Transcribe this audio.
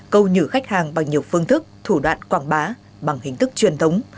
câu nhử khách hàng bằng nhiều phương thức thủ đoạn quảng bá bằng hình thức truyền thống